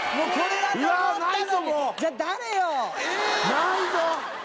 ないぞ！